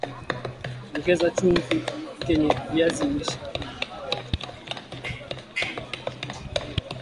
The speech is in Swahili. Ongeza chumvi kenye viazi lishe